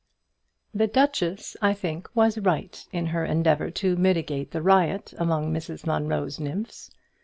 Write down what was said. The duchess I think was right in her endeavour to mitigate the riot among Mrs Munro's nymphs.